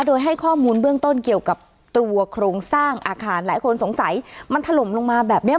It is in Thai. โดยให้ข้อมูลเบื้องต้นเกี่ยวกับตัวโครงสร้างอาคารหลายคนสงสัยมันถล่มลงมาแบบเนี้ย